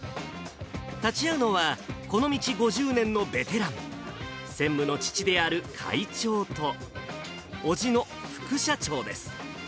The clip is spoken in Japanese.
立ち会うのは、この道５０年のベテラン、専務の父である会長と、おじの副社長です。